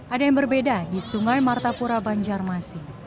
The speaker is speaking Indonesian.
ada yang berbeda di sungai martapura banjarmasin